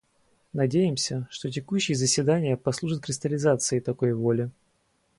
Надеемся, что текущие заседания послужат кристаллизации такой воли.